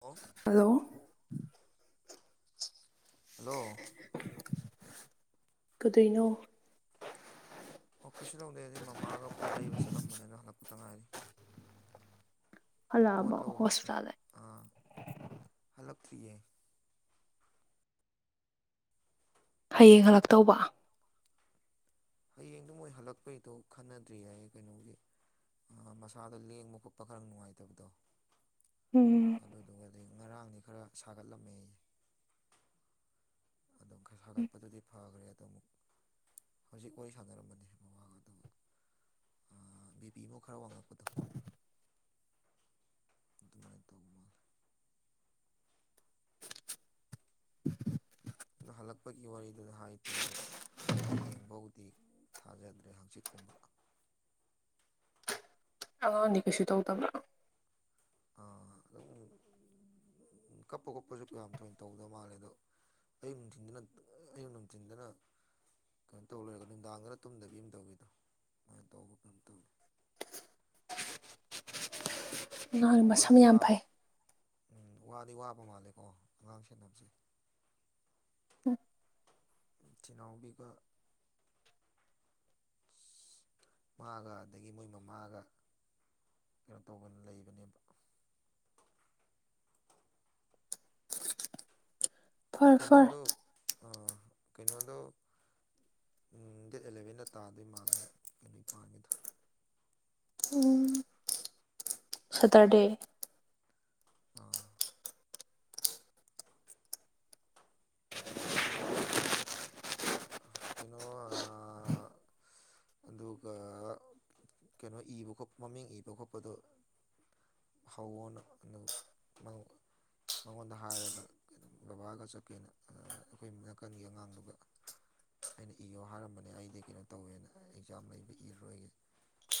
ꯑꯣ hello hello ꯀꯗꯣꯏꯅꯣ ꯑꯣ ꯀꯩꯁꯨ ꯇꯧꯗꯦ ꯗꯨꯗꯤ ꯃꯃꯥꯒ ꯄꯣꯠ ꯂꯩꯕ ꯆꯠꯂꯝꯕꯅꯦꯅ ꯍꯜꯂꯛꯄꯇ ꯉꯥꯏꯔꯤ ꯄꯣꯠ ꯍꯜꯂꯛꯑꯕ ꯂꯧꯕ ꯍꯣꯁꯄꯤꯇꯥꯜꯗꯩ ꯑꯥ ꯍꯜꯂꯛꯇ꯭ꯔꯤꯌꯦ ꯍꯌꯦꯡ ꯍꯜꯂꯛꯇꯧꯕ ꯍꯌꯦꯡꯗꯨ ꯃꯣꯏ ꯍꯜꯂꯛꯄꯩꯗꯣ ꯈꯟꯅꯗ꯭ꯔꯤ ꯌꯥꯏ ꯀꯩꯅꯣꯒꯤ ꯃꯁꯥꯗꯣ ꯂꯦꯡꯕ ꯈꯣꯠꯄ ꯈ꯭ꯔ ꯅꯨꯡꯉꯥꯏꯇ꯭ꯕꯗꯣ ꯎꯝ ꯉꯔꯥꯡꯗꯤ ꯈꯔ ꯁꯥꯒꯠꯂꯝꯃꯦ ꯑꯩ ꯑꯗꯨꯝ ꯈ꯭ꯔ ꯁꯥꯒꯠꯄꯗꯨꯗꯤ ꯐꯒ꯭ꯔꯦ ꯑꯃꯨꯛ ꯍꯧꯖꯤꯛ ꯋꯥꯔꯤ ꯁꯥꯟꯅꯔꯝꯕꯅꯦ [unintelligible] ꯑꯥ ꯕꯤꯕꯤꯕꯣ ꯈ꯭ꯔ ꯋꯥꯡꯉꯛꯄꯗꯣ ꯑꯗꯨꯃꯥꯏ ꯇꯧꯕ ꯃꯥꯜꯂꯦ [inaudible] ꯑꯗ ꯍꯜꯂꯛꯄꯒꯤ ꯋꯥꯔꯤꯗꯨ ꯍꯥꯏꯗꯦ ꯑꯗꯣ ꯍꯌꯦꯡꯕꯧꯗꯤ ꯊꯥꯖꯗ꯭ꯔꯦ [unintelligible] ꯑꯉꯥꯡꯗꯤ ꯀꯩꯁꯨ ꯇꯧꯗꯕ꯭ꯔꯣ ꯑꯗꯨꯝ ꯀꯞꯄ ꯈꯣꯠꯄꯁꯨ ꯀꯌꯥꯝ ꯊꯣꯏꯟ ꯇꯧꯗ ꯃꯥꯜꯂꯦ ꯗꯣ ꯑꯌꯨꯛ ꯅꯨꯡꯊꯤꯟꯗꯅ ꯑꯌꯨꯛ ꯅꯨꯡꯊꯤꯟꯗꯅ ꯀꯩꯟ ꯇꯧ ꯂꯣꯏꯔꯒ ꯅꯨꯡꯗꯥꯡꯗꯅ ꯇꯨꯝꯗꯕꯤ ꯑꯝ ꯇꯧꯋꯦꯗꯣ ꯑꯃꯥꯏꯟ ꯇꯧꯕ ꯀꯝ ꯇꯧꯏ [unintelligible] ꯉꯥꯡ ꯀꯩꯅꯣꯝ ꯇꯧꯋꯤ ꯃꯁꯝ ꯋꯥꯗꯤ ꯌꯥꯝ ꯋꯥꯕ ꯐꯩ ꯎꯝ ꯋꯥꯗꯤ ꯋꯥꯕ ꯃꯥꯜꯂꯦꯀꯣ ꯑꯉꯥꯡ ꯁꯦꯟꯅꯕꯁꯦ ꯎꯝ ꯆꯤꯅꯥꯎꯕꯤꯒ ꯃꯥꯒ ꯑꯗꯒꯤ ꯃꯣꯏ ꯃꯃꯥꯒ ꯀꯩꯅꯣ ꯇꯧꯕ ꯂꯩꯕꯅꯦꯕ [inaudible] ꯐ꯭ꯔ ꯐ꯭ꯔ ꯑ ꯀꯩꯅꯣꯗꯣ ꯎꯝ ꯗꯦꯠ ꯑꯦꯂꯚꯦꯟꯗ ꯇꯥꯗꯣꯏ ꯃꯥꯜꯂꯦ [unintelligible] ꯁꯇ꯭ꯔꯗꯦ ꯑꯥ ꯀꯩꯅꯣ ꯑꯥ ꯑꯗꯨꯒ ꯀꯩꯅꯣ ꯏꯕ ꯈꯣꯠꯄ ꯃꯃꯤꯡ ꯏꯕ ꯈꯣꯠꯄꯗꯣ [unintelligible] ꯃꯉꯣꯟꯗ ꯍꯥꯏꯔꯒ ꯕꯕꯥꯒ ꯆꯠꯀꯦꯅ ꯑꯥ ꯑꯈꯣꯏ ꯅꯥꯀꯟꯒꯤ ꯑꯉꯥꯡꯗꯨꯒ [inaudible] ꯑꯩꯅ ꯏꯌꯣ ꯍꯥꯏꯔꯝꯕꯅꯦ ꯑꯩꯗꯤ ꯀꯩꯅꯣ ꯇꯧꯋꯦꯅ ꯑꯦꯛꯖꯥꯝ ꯂꯩꯕ ꯏꯔꯔꯣꯏꯒꯦ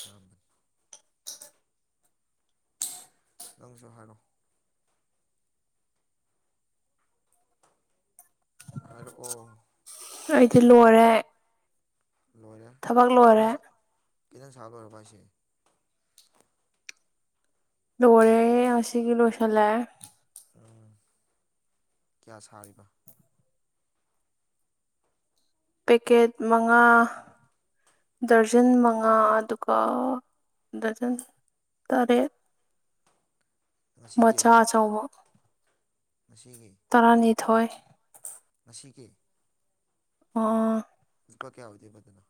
ꯍꯥꯏꯔꯝꯕꯅꯤ ꯅꯪꯁꯨ ꯍꯥꯏꯔꯣ ꯍꯥꯏꯔꯛꯑꯣ ꯑꯩꯗꯤ ꯂꯣꯏꯔꯦ ꯂꯣꯏꯔꯦ ꯊꯕꯛ ꯂꯣꯏꯔꯦ ꯈꯤꯇꯁꯦ ꯀꯦꯟꯗꯟ ꯁꯥꯕ ꯂꯣꯏꯔꯕꯣ ꯍꯥꯏꯁꯦ ꯂꯣꯢꯔꯦ ꯑꯁꯤꯒꯤ ꯂꯣꯢꯁꯜꯂꯦ ꯎꯝ ꯀꯌꯥ ꯁꯥꯔꯤꯕ ꯄꯦꯀꯦꯠ ꯃꯉꯥ ꯗ꯭ꯔꯖꯟ ꯃꯉꯥ ꯑꯗꯨ ꯀꯣ ꯗꯖꯟ ꯇꯔꯦꯠ ꯉꯁꯤꯒꯤ ꯃꯆꯥꯥ ꯑꯆꯧꯕ ꯉꯁꯤꯒꯤ ꯊꯣꯏ ꯉꯁꯤꯒꯤ ꯑꯣ ꯂꯨꯄꯥ ꯀꯌꯥ ꯑꯣꯢꯗꯣꯢꯕ ꯑꯗꯨꯅ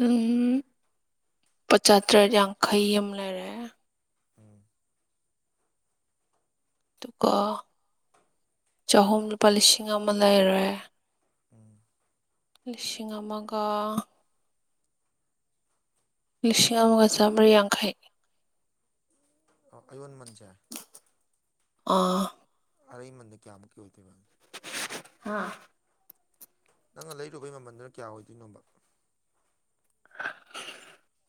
ꯎꯝ ꯄꯆꯥꯥꯇꯔꯦꯠ ꯌꯥꯡꯈꯩ ꯑꯝ ꯂꯩꯔꯦ ꯎꯝ ꯑꯗꯨꯒ ꯆꯍꯨꯝ ꯂꯨꯄꯥ ꯂꯤꯁꯤꯡ ꯑꯃ ꯂꯩꯔꯦ ꯎꯝ ꯂꯤꯁꯤꯡ ꯑꯃꯒ ꯂꯤꯁꯤꯡ ꯑꯃꯒ ꯆꯥꯝꯔꯤ ꯌꯥꯡꯈꯩ ꯑꯣ ꯑꯌꯣꯟ ꯃꯟꯖ ꯑꯥ ꯑꯔꯩꯃꯟꯅ ꯀꯌꯥꯃꯨꯛꯀꯤ ꯑꯣꯏꯗꯣꯏꯕ ꯑꯥ ꯅꯪꯅ ꯂꯩꯔꯨꯕꯩ ꯃꯃꯟꯗꯨꯅ ꯀꯌꯥ ꯑꯣꯏꯗꯨꯏꯅꯣꯕ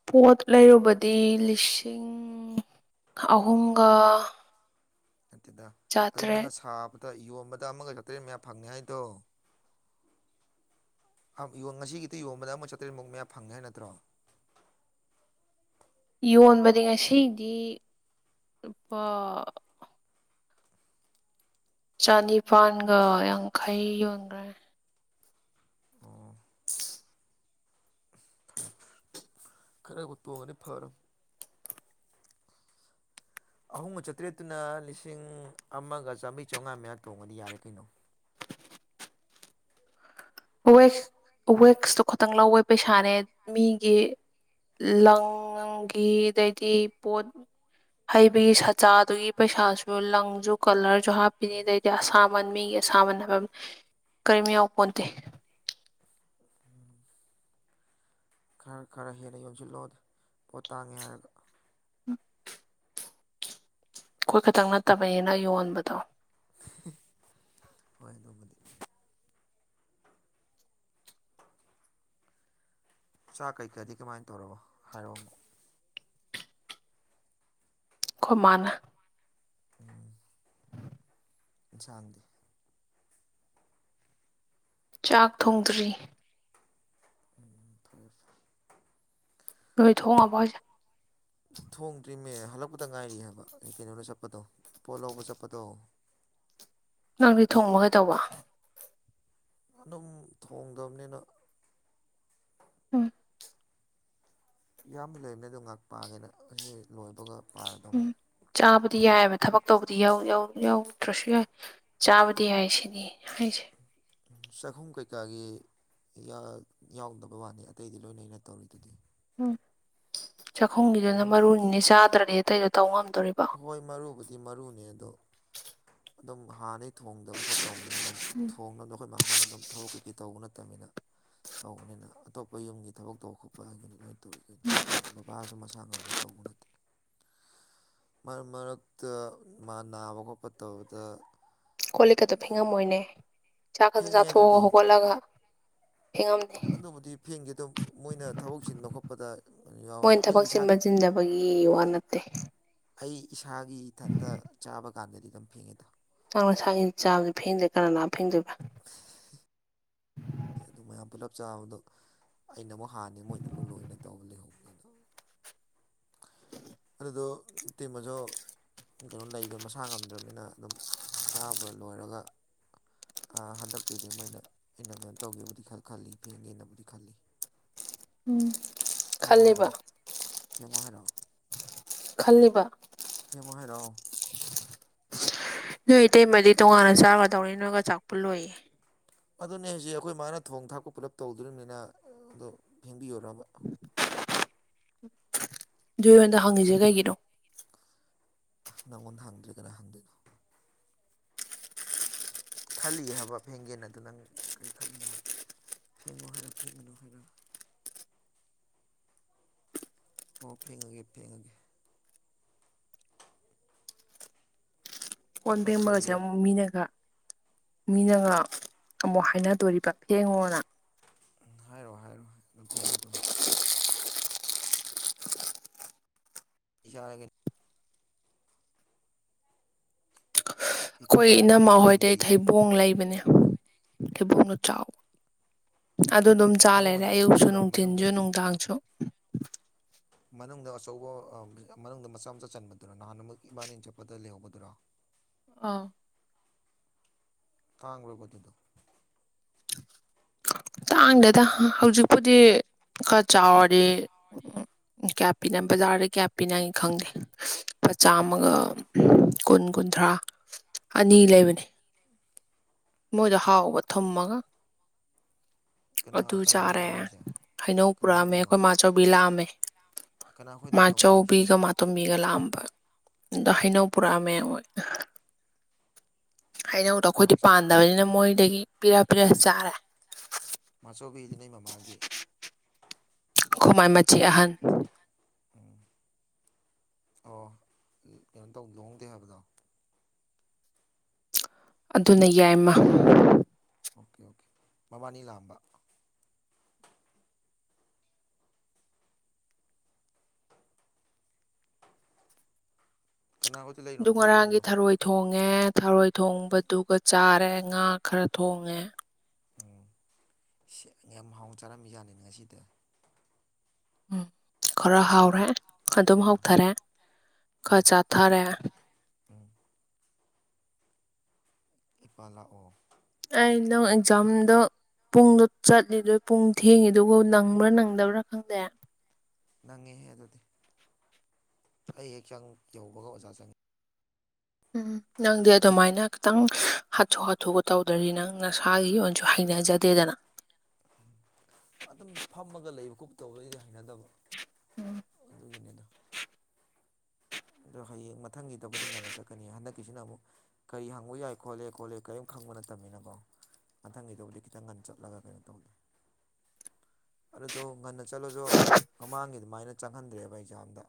ꯄꯣꯠ ꯂꯩꯔꯨꯕꯗꯤ ꯂꯤꯁꯤꯡ ꯑꯍꯨꯝꯒ ꯅꯠꯇꯦꯗ ꯑꯗꯨ ꯅꯪꯅ ꯆꯥꯇ꯭ꯔꯦꯠ ꯁꯥꯕ ꯇ ꯌꯣꯟꯕꯗ ꯑꯃꯒ ꯆꯥꯇ꯭ꯔꯦꯠ ꯃꯌꯥꯝ ꯐꯪꯅꯤ ꯍꯥꯏꯗꯣ ꯍꯞ ꯌꯦꯟ ꯉꯁꯤꯒꯤꯇ ꯌꯣꯟꯕꯗ ꯑꯃ ꯆꯥꯇ꯭ꯔꯦꯠꯃꯨꯛ ꯃꯌꯥ ꯐꯪꯉꯦ ꯍꯥꯏ ꯅꯠꯇ꯭ꯔꯣ [inaudible] ꯌꯣꯟꯕꯗꯤ ꯉꯁꯤꯗꯤ ꯂꯨꯄꯥ ꯆꯅꯤꯄꯥꯥꯟꯒ ꯌꯥꯡꯈꯩ ꯌꯣꯟꯒ꯭ꯔꯦ ꯑꯣ ꯐꯔꯦ ꯐꯔꯦ ꯈꯔꯕꯨ ꯇꯣꯡꯉꯗꯤ ꯐꯔꯝ ꯑꯍꯨꯝꯒ ꯆꯥꯇ꯭ꯔꯦꯠꯇꯨꯅ ꯂꯤꯁꯤꯡ ꯑꯃꯒ ꯆꯥꯝꯃ꯭ꯔꯤ ꯆꯧꯉꯥ ꯃꯌꯥ ꯇꯣꯡꯉꯗꯤ ꯌꯥꯔꯦ ꯀꯩꯅꯣ ꯋꯦꯁ ꯋꯦꯛꯁꯇꯣ ꯈꯇꯪ ꯂꯧꯕꯩ ꯄꯩꯁꯥꯅꯦ ꯃꯤꯒꯤ ꯂꯪꯒꯤ ꯑꯗꯩꯗꯤ ꯄꯣꯠ ꯍꯩꯕꯒꯤ ꯁꯆꯥꯗꯨꯒꯤ ꯄꯩꯁꯥꯁꯨ ꯂꯪꯖꯨ ꯀꯂꯔꯖꯨ ꯍꯥꯞꯄꯤꯅꯤ ꯑꯗꯩꯗꯤ ꯑꯁꯥꯃꯟ ꯃꯤꯒꯤ ꯑꯁꯥꯃꯟ ꯍꯥꯏꯕ ꯀꯔꯤꯝ ꯌꯥꯎꯄꯣꯟꯇꯦ ꯈꯔ ꯈꯔ ꯍꯦꯟꯅ ꯌꯧꯖꯤꯜꯂꯣꯗ ꯄꯣꯠ ꯇꯥꯡꯉꯦ ꯍꯥꯏꯔꯒ ꯑꯈꯣꯏ ꯈꯛꯇꯪ ꯅꯠꯇꯕꯅꯤꯅ ꯌꯣꯟꯕꯗꯣ [unintelligible] ꯍꯣꯏ ꯑꯗꯨꯕꯨꯗꯤ ꯆꯥꯛ ꯀꯩꯀꯥꯗꯤ ꯀꯃꯥꯏꯟ ꯇꯧꯔꯕꯣ ꯍꯥꯏꯔꯣ ꯑꯃꯨꯛ ꯈꯣꯢ ꯃꯥꯥꯅ ꯎꯝ ꯏꯟꯁꯥꯡꯗꯤ ꯆꯥꯛ ꯊꯣꯡꯗ꯭ꯔꯤ ꯎꯝ ꯐꯩ ꯐꯩ ꯅꯣꯏ ꯊꯣꯡꯉꯕꯣ ꯍꯥꯢꯁꯦ ꯊꯣꯡꯗ꯭ꯔꯤꯃꯦ ꯍꯜꯂꯛꯄꯗ ꯉꯥꯏꯔꯤ ꯍꯥꯏꯕ ꯑꯩ ꯀꯩꯅꯣꯗ ꯆꯠꯄꯗꯣ ꯄꯣꯠ ꯂꯧꯕ ꯆꯠꯄꯗꯣ ꯅꯪꯗꯤ ꯊꯣꯡꯕ ꯀꯩꯗꯧꯕ ꯑꯗꯨꯝ ꯊꯣꯡꯗꯕꯅꯤꯅ ꯎꯝ ꯏꯌꯥꯝꯕ ꯂꯩꯕꯅꯦ ꯑꯗꯨꯣ ꯉꯥꯛ ꯄꯥꯡꯒꯦꯅ ꯑꯁꯤ ꯂꯣꯏꯕꯒ ꯄꯥꯔꯗꯧ ꯎꯝ ꯆꯥꯕꯗꯤ ꯌꯥꯏꯌꯦꯕ ꯊꯕꯛ ꯇꯧꯕꯗꯤ ꯌꯥꯎ ꯌꯥꯎ ꯌꯥꯎꯗ꯭ꯔꯁꯨ ꯌꯥꯏ ꯆꯥꯕꯗꯤ ꯌꯥꯏ ꯁꯤꯅꯤ ꯍꯥꯏꯁꯦ ꯎꯝ ꯆꯥꯛꯈꯨꯝ ꯀꯩꯀꯥꯒꯤ ꯌꯥ ꯌꯥꯎꯗꯕ ꯋꯥꯅꯤ ꯑꯇꯩꯗꯤ ꯂꯣꯏꯅ ꯑꯩꯅ ꯇꯧꯔꯤꯗꯨꯗꯤ [unintelligible] ꯆꯥꯛꯈꯨꯝꯒꯤꯗꯨꯅ ꯑꯗꯨꯝ ꯃꯔꯨꯅꯤꯅꯦ ꯆꯥꯗ꯭ꯔꯗꯤ ꯑꯇꯩꯗꯣ ꯇꯧ ꯉꯝꯗꯣꯔꯤꯕꯣ ꯍꯣꯏ ꯃꯔꯨꯕꯨꯗꯤ ꯃꯔꯨꯅꯦ ꯑꯗꯣ ꯑꯗꯨꯝ ꯍꯥꯟꯅꯗꯩ ꯊꯣꯡꯗꯕ ꯈꯣꯠ ꯇꯧꯕꯅꯤꯅ ꯑꯗꯨꯝ ꯊꯣꯡꯅꯕꯗ ꯑꯈꯣꯏ ꯃꯥ ꯍꯣꯢꯅ ꯑꯗꯨꯝ ꯊꯕꯛ ꯀꯩ ꯀꯩ ꯇꯧꯕ ꯅꯠꯇꯝꯃꯤꯅ ꯇꯧꯕꯅꯤꯅ ꯑꯇꯣꯞꯄ ꯌꯨꯝꯒꯤ ꯊꯕꯛ ꯇꯧꯕ ꯈꯣꯠꯄ ꯍꯥꯏꯒꯅꯤ ꯂꯣꯏꯟ ꯇꯧꯋꯤ ꯀꯩꯅꯣ ꯕꯕꯥꯁꯨ ꯃꯁ [unintelligible] ꯇꯧꯕ ꯅꯠꯇꯦ ꯃꯔꯛ ꯃꯔꯛꯇ ꯃꯥ ꯅꯥꯕ ꯈꯣꯠꯄ ꯇꯧꯕꯗ ꯀꯣꯜꯂꯤꯛꯀꯗꯣ ꯐꯦꯉꯝꯃꯣꯏꯅꯦ ꯆꯥꯛ ꯈꯛꯇ ꯐꯦꯡꯉꯦ ꯆꯥꯊꯣꯛꯑꯒ ꯑꯗꯨꯗꯤ ꯑꯃꯨꯛ ꯍꯧꯒꯠꯂꯒ ꯐꯦꯡꯉꯝꯅꯤ ꯑꯗꯨꯕꯨꯗꯤ ꯐꯦꯡꯗꯦ ꯗꯨꯝ ꯃꯣꯏꯅ ꯊꯕꯛ ꯆꯤꯟꯕ ꯈꯣꯠꯄꯗ ꯌꯥꯎꯋꯦ ꯑꯗꯣ ꯑꯩꯒꯤ ꯏꯁꯥꯒꯤ ꯕꯒꯤ ꯋꯥ ꯅꯠꯇꯦ ꯑꯩ ꯏꯁꯥꯒꯤ ꯏꯊꯟꯇ ꯆꯥꯕ ꯀꯥꯟꯗꯗꯤ ꯑꯗꯨꯝ ꯐꯦꯡꯉꯦꯗ ꯃꯥ ꯃꯁꯥꯒꯤ ꯆꯥꯕꯗꯤ ꯐꯦꯡꯗ꯭ꯔꯦ ꯀꯅꯥ ꯂꯥꯛ ꯑꯥ ꯐꯦꯡꯗꯣꯏꯕ ꯑꯗꯨ ꯃꯌꯥꯝ ꯄꯨꯂꯞ ꯆꯥꯕꯗꯣ ꯑꯩꯅ ꯑꯃꯨꯛ ꯍꯥꯟꯅꯤ ꯃꯣꯏꯅ ꯑꯃꯨꯛ ꯂꯣꯏꯅ ꯇꯧꯕ ꯂꯩꯍꯧꯕꯗ ꯑꯗꯨꯣ ꯏꯇ ꯃꯖꯧ ꯀꯩꯅꯣ ꯂꯩꯗ ꯃꯁꯥ ꯉꯝꯗ꯭ꯔꯕꯅꯤꯅ ꯑꯗꯨꯝ ꯆꯥꯕ ꯂꯣꯏꯔꯒ ꯑꯥ ꯍꯟꯗꯛꯇꯩꯗꯤ ꯃꯣꯏꯅ ꯑ ꯩꯅ ꯇꯧꯒꯦꯕꯨꯗꯤ ꯈꯜ ꯈꯜꯂꯤ ꯐꯦꯡꯒꯦꯅꯕꯨꯗꯤ ꯈꯜꯂꯤ ꯎꯝ ꯐꯦꯡꯉꯣ ꯈꯜꯂꯤꯕ ꯍꯥꯏꯔꯛꯑꯣ ꯐꯦꯡꯉꯣ ꯍꯥꯏꯔꯣ ꯈꯜꯂꯤꯕ ꯐꯦꯡꯉꯣ ꯍꯥꯏꯔꯣ ꯅꯣꯏ ꯏꯇꯩꯃꯗꯤ ꯇꯣꯉꯥꯟꯅ ꯆꯥꯒꯗꯧꯅꯦ ꯅꯣꯏꯒ ꯆꯥꯛ ꯄ ꯨꯜꯂꯣꯏꯌꯦ ꯑꯗꯨꯅꯦ ꯍꯧꯖꯤꯛ ꯑꯩꯈꯣꯏ ꯃꯥꯅ ꯊꯣꯡ ꯊꯥꯛꯄ ꯄꯨꯂꯞ ꯇꯧꯗ꯭ꯔꯤꯕꯅꯤꯅ ꯑꯗꯨ ꯐꯦꯡꯕꯤꯌꯨꯔꯕꯥ ꯑꯗꯨ ꯑꯩꯉꯣꯟꯗ ꯍꯪꯉꯤꯁꯦ ꯀꯩꯒꯤꯅꯣ ꯅꯪꯉꯣꯟꯗ ꯍꯪꯗ꯭ꯔꯤ ꯀꯅꯥ ꯍꯪꯗꯣꯏꯅꯣ ꯈꯜꯂꯤ ꯍꯥꯏꯕ ꯐꯦꯡꯒꯦꯟ ꯑꯗꯨ ꯅꯪ ꯀꯔꯤ ꯈꯜꯂꯤꯅꯣ ꯐꯦꯡꯉꯨ ꯍꯥꯏꯔꯣ ꯐꯦꯡꯒꯅꯨ ꯍꯥꯏꯔꯣ ꯑꯣ ꯐꯦꯡꯉꯒꯦ ꯐꯦꯡꯉꯒꯦ ꯀꯣꯟ ꯆꯞ ꯆꯞ ꯐꯦꯡꯕꯒꯁꯦ ꯂꯦꯞ ꯑꯃꯨꯛ ꯃꯤꯅꯒ ꯃꯤꯅꯒ ꯑꯃꯨꯛ ꯍꯥꯏꯅꯗꯣꯔꯤꯕ ꯍꯡꯉꯣꯅ ꯍꯥꯏꯔꯣꯏ ꯍꯥꯏꯔꯣꯍ ꯑꯗꯨꯝ ꯐꯦꯡꯉ ꯇꯧꯅꯦ ꯏꯁꯥꯒꯤ ꯀꯩꯀꯩ ꯑꯩꯈꯣꯏ ꯆꯥꯔꯒꯦ ꯏꯅꯝꯃ ꯍꯣꯏꯗꯩ ꯅꯨꯡꯊꯤꯟꯒꯤ ꯊꯩꯕꯣꯡ ꯂꯩꯕꯅꯦ ꯊꯩꯕꯣꯡꯗꯣ ꯆꯥꯎ ꯑꯗꯨ ꯑꯗꯨꯝ ꯆꯥ ꯊꯩꯕꯣꯡ ꯂꯩꯔꯦ ꯍꯥꯏꯁꯦ ꯑꯌꯨꯛꯁꯨ ꯑꯆꯧꯕꯗꯨꯔꯥ ꯃꯅꯨꯡꯗ ꯅꯨꯡꯊꯤꯟꯁꯨ ꯅꯨꯡꯗꯥꯡꯁꯨ ꯃꯅꯨꯡꯗ ꯑꯆꯧꯕ ꯃꯅꯨꯡꯗ ꯃꯆꯥ ꯃꯆꯥ ꯆꯟꯕꯗꯨꯔ ꯅꯍꯥꯟꯃꯛ ꯏꯕꯥꯅꯤ ꯆꯠꯄꯗ ꯂꯩꯍꯧꯕꯗꯨꯔꯣ ꯑꯥ ꯇꯥꯡꯥꯕꯔꯥꯕ ꯑꯗꯨꯗꯣ ꯀ [inaudible] ꯇꯥꯡꯗꯦꯗ ꯍꯧꯖꯤꯛꯄꯨꯗꯤ ꯈꯔ ꯆꯥꯎꯔꯗꯤ ꯀꯌꯥ ꯄꯤꯅꯩ ꯕꯖꯥꯔꯗ ꯀꯌꯥ ꯄꯤꯅꯩ ꯈꯪꯗꯦ ꯂꯨꯄꯥꯩ ꯃꯆꯥꯥꯝꯃꯒ ꯀꯨꯟ ꯀꯨꯟ ꯀꯨꯟꯊ꯭ꯔꯥ ꯑꯅꯤ ꯂꯩꯕꯅꯤ ꯃꯣꯏꯗꯣ ꯍꯥꯎꯕ ꯊꯨꯝꯃꯒ ꯀꯅꯥ ꯑꯗꯨ ꯀꯅꯥ ꯆꯥꯔꯦ ꯈꯣꯏꯗꯣꯏꯅꯣ ꯍꯥꯏꯁꯦ ꯍꯩꯅꯧ ꯀꯅꯥ ꯄꯨꯔꯛꯑꯝꯃꯦ ꯈꯣꯏꯗꯣꯏꯅꯣ ꯑꯩꯈꯣꯏ ꯃꯥꯆꯧꯕꯤ ꯂꯥꯛꯑꯝꯃꯦ ꯀꯅꯥ ꯃꯥ ꯈꯣꯏꯗꯣꯏꯅꯣꯕ ꯂꯩꯔꯤꯁꯦ ꯆꯧꯕꯤꯒ ꯃꯥꯇꯣꯝꯕꯤꯒ ꯂꯥꯛꯑꯝꯕ ꯑꯗꯥ ꯍꯩꯅꯧ ꯄꯨꯔꯛꯑꯃꯦ ꯃꯣꯏ ꯍꯩꯅꯗꯣ ꯑꯩꯈꯣꯏꯗꯤ ꯃꯥꯆꯧ ꯄꯥꯟꯗꯕꯅꯤꯅ ꯃꯣꯏꯗꯒꯤ ꯄꯤꯔ ꯄꯤꯔ ꯆꯥꯔꯦ ꯃꯥꯆꯧꯕꯤꯁꯤꯅ ꯅꯣꯏ ꯃꯃꯥꯒꯤ ꯑꯩꯒꯣꯏ ꯃꯥꯏ ꯃꯆꯦ ꯑꯍꯟ ꯎꯝ ꯑꯣ ꯀꯩꯅꯣ ꯇꯧ ꯂꯨꯍꯣꯡꯗꯦ ꯍꯥꯏꯕꯗꯣ ꯑꯗꯨꯅ ꯌꯥꯏꯃ ꯑꯣꯀꯦ ꯑꯣꯀꯦ ꯃꯕꯥꯅꯤ ꯂꯥꯛꯑꯝꯕ ꯀꯅꯥ ꯈꯣꯏꯗ ꯑꯗꯨ ꯂꯩꯔꯤꯅꯣꯕ ꯉꯔꯥꯡꯒꯤ ꯊꯩꯕꯣꯡꯗꯣ ꯊꯔꯣꯏ ꯊꯣꯡꯦ ꯊꯣꯡꯉꯦ ꯊꯔꯣꯏ ꯊꯣꯡꯕꯗꯨꯒ ꯆꯥꯔꯦ ꯉꯥ ꯈꯔ ꯊꯣꯡꯉꯦ ꯎꯝ ꯁꯤꯑꯥ ꯌꯥꯝ ꯍꯥꯎꯅ ꯆꯥꯔꯝꯃꯤꯖꯠꯅꯤ ꯉꯁꯤꯗꯤ ꯎꯝ ꯈꯔ ꯍꯥꯎꯔꯦ ꯑꯗꯨꯝ ꯑꯥ ꯍꯥꯎꯊꯔꯦ ꯈꯔꯥ ꯎꯝ ꯆꯥꯊꯔꯦ ꯎꯝ ꯏꯄꯥ ꯂꯥꯛꯑꯣ ꯑꯩ ꯅꯣ ꯑꯦꯛꯖꯥꯝꯗꯣ ꯄꯨꯡꯗꯣ ꯆꯠꯂꯤꯗꯨꯣꯏ ꯄꯨꯡ ꯊꯦꯡꯉꯤꯗꯨꯕꯨ ꯅꯪꯕ꯭ꯔꯥ ꯅꯪꯗꯕ꯭ꯔꯥ ꯈꯪꯗꯦ ꯅꯪꯉꯦꯍꯦ ꯑꯗꯨꯗꯤ ꯑꯩ ꯍꯦꯛ ꯆꯪ ꯌꯧꯕꯒ ꯑꯣꯖꯥ ꯆꯪꯉꯤ ꯎꯝ ꯅꯪꯗꯤ ꯑꯗꯨꯃꯥꯏꯅ ꯈꯤꯇꯪ ꯍꯥꯊꯨ ꯍꯥꯊꯨꯒ ꯇꯧꯗꯔꯤ ꯅꯪ ꯅꯁꯥꯒꯤ ꯑꯣꯏꯅꯁꯨ ꯍꯩꯅꯖꯗꯦ ꯗꯅ ꯑꯗꯨꯝ ꯐꯝꯃꯒ ꯂꯩꯕ ꯈꯣꯨꯞ ꯇꯧ ꯑꯩꯗꯤ ꯍꯩꯅꯗꯕ ꯎꯝ ꯅꯪꯒꯤꯅꯦ ꯗꯣ ꯑꯗꯣ ꯍꯌꯦꯡ ꯃꯊꯪꯒꯤꯗꯕꯨꯗꯤ ꯉꯟꯅ ꯆꯠꯀꯅꯤ ꯍꯟꯗꯛꯀꯤꯁꯤꯅꯨꯛ ꯀꯔꯤ ꯍꯪꯕ ꯌꯥꯏꯣꯂꯦ ꯈꯣꯠꯂꯦꯔꯤꯝ ꯈꯪ ꯅꯠꯇꯕꯅꯤꯅꯀꯣ ꯃꯊꯪꯒꯤꯗꯕꯨꯗꯤ ꯈꯤꯇꯪ ꯉꯟꯅ ꯆꯠꯂꯒ ꯀꯩꯅꯣ ꯇꯧꯒꯦ ꯑꯗꯨꯗꯣ ꯉꯟꯅ ꯆꯠꯂꯁꯨ ꯃꯃꯥꯡꯒꯤ ꯑꯗꯨꯃꯥꯏꯅ ꯆꯪꯍꯟꯗ꯭ꯔꯦꯕ ꯑꯦꯛꯖꯥꯝꯗ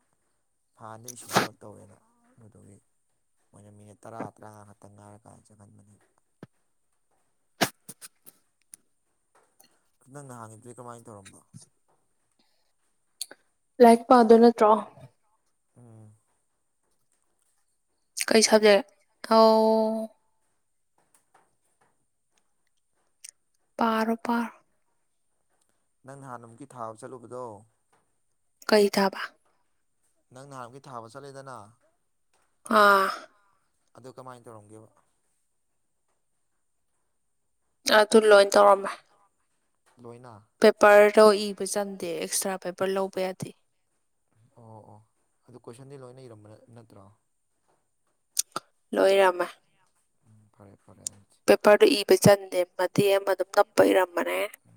ꯐꯥꯟꯗ ꯏꯁꯤꯡꯟ ꯈꯣꯠ ꯇꯧꯋꯦꯅ ꯃꯗꯨꯒꯤ ꯃꯣꯏꯅ ꯃꯤꯅꯤꯠ ꯇꯔꯥ ꯇꯔꯥ ꯉ ꯉꯥꯛꯇꯪ ꯉꯥꯏꯔꯀꯥꯟ ꯆꯪꯍꯟꯕꯅꯤꯅ ꯅꯪꯅ ꯍꯥꯡꯉꯤꯗꯨꯗꯤ ꯀꯃꯥꯏꯅ ꯇꯧꯔꯝꯕ ꯂꯥꯏꯔꯤꯛ ꯄꯥꯗꯣꯏ ꯅꯠꯇ꯭ꯔꯣ ꯎꯝ ꯀꯩ ꯁꯕꯖꯦꯛ ꯑꯥꯎ ꯄꯔꯣ ꯄꯔꯣ ꯅꯪ ꯅꯍꯥꯟꯅꯃꯨꯛꯀꯤ ꯊꯥꯕ ꯆꯠꯂꯨꯕꯗꯣ ꯀꯩ ꯊꯥꯕ ꯅꯪ ꯅꯍꯥꯟꯃꯨꯛꯀꯤ ꯊꯥꯕ ꯆꯠꯂꯤꯗꯅ ꯑꯥ ꯑꯗꯨ ꯀꯃꯥꯏꯅ ꯇꯧꯔꯝꯒꯦꯕ ꯑꯗꯨ ꯂꯣꯏ ꯇꯧꯔꯝꯃꯦ ꯂꯣꯏꯅ ꯄꯦꯄꯔꯗꯣ ꯏꯕ ꯆꯟꯗꯦ ꯑꯦꯛꯁꯇ꯭ꯔꯥ ꯄꯦꯄꯔ ꯂꯧꯕ ꯌꯥꯗꯦ ꯑꯣ ꯑꯣ ꯑꯗꯨ ꯀꯣꯏꯁꯟꯗꯤ ꯂꯣꯏꯅ ꯏꯔꯝꯕ ꯅꯠꯇ꯭ꯔꯣ ꯂꯣꯏꯔꯝꯃꯦ ꯎꯝ ꯐꯔꯦ ꯐꯔꯦ ꯑꯗꯨꯗꯤ ꯄꯦꯄꯔꯗꯣ ꯏꯕ ꯆꯟꯗꯦ ꯃꯇꯦꯝ ꯑꯃ ꯑꯗꯨꯝ ꯅꯞꯄ ꯏꯔꯝꯝꯕ ꯎꯝ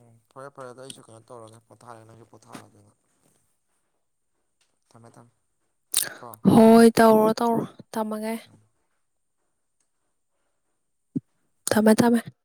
ꯎꯝ ꯐꯔꯦ ꯐꯔꯦ ꯑꯗꯨ ꯑꯩꯁꯨ ꯀꯩꯅꯣ ꯇꯧꯔꯒꯦ ꯄꯣꯊꯥꯔꯦ ꯅꯪꯁꯨ ꯄꯣꯊꯥꯔꯕꯅꯤꯅ ꯊꯝꯃꯦ ꯊꯝꯃꯦ ꯀꯣ ꯍꯣꯏ ꯇꯧꯔꯣ ꯇꯧꯔꯣ ꯊꯝꯃꯒꯦ ꯎꯝ ꯊꯃꯦ ꯊꯃꯦ